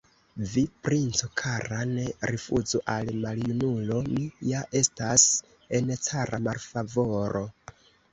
Vi, princo kara, ne rifuzu al maljunulo, mi ja estas en cara malfavoro!